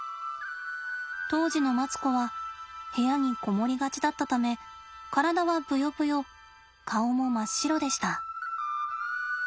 当時のマツコは部屋に籠もりがちだったため体はぶよぶよ顔も真っ白でした。